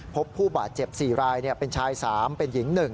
พบผู้บาดเจ็บ๔รายเป็นชาย๓เป็นหญิง๑